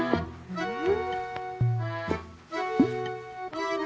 うん。